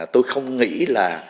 tôi không nghĩ là